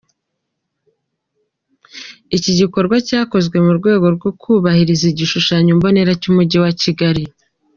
Iki gikorwa cyakozwe mu rwego rwo kubahiriza igishushanyo mbonera cy’umujyi wa Kigali.